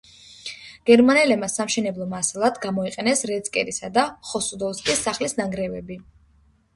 გერმანელებმა სამშენებლო მასალად გამოიყენეს რეცკერისა და ხოსუდოვსკის სახლის ნანგრევები.